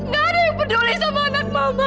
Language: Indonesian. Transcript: gak ada yang peduli sama anak mama